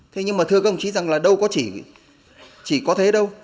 thế nhưng mà thưa công chí rằng là đâu có chỉ chỉ có thế đâu